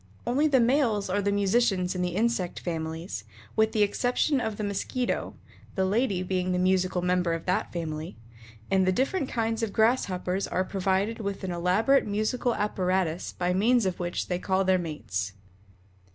Only the males are the musicians in the insect families with the exception of the Mosquito, the lady being the musical member of that family and the different kinds of Grasshoppers are provided with an elaborate musical apparatus by means of which they call their mates.